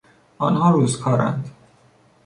آنها روز کارند.